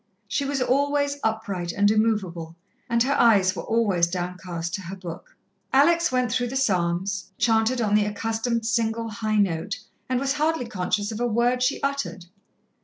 She was always upright and immovable, and her eyes were always downcast to her book. Alex went through the Psalms, chanted on the accustomed single high note, and was hardly conscious of a word she uttered.